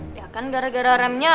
dia akan gara gara remnya